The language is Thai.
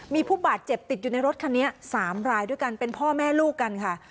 มีผู้บาดเจ็บติดอยู่ในรถคันนี้๓รายด้วยกันเป็นพ่อแม่ลูกกันค่ะ